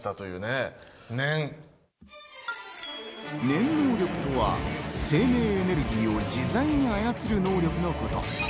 念能力とは生命エネルギーを自在に操る能力のこと。